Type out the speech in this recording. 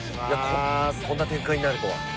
こんな展開になるとは。